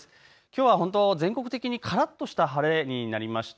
外は本当に全国的にからっとした晴れになりました。